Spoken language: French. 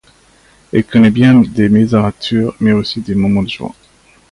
Elle connaît bien des mésaventures mais aussi des moments de joie.